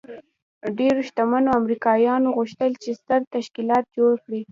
ډېرو شتمنو امریکایانو غوښتل چې ستر تشکیلات جوړ کړي